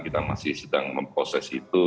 kita masih sedang memproses itu